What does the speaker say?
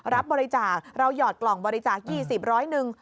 รับบริจาคเราหยอดกล่องบริจาค๒๐ร้อยหนึ่ง